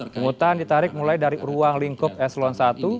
penghutang ditarik mulai dari ruang lingkup eslon satu